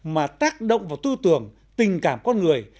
mà tác động vào tư tưởng tình cảm con người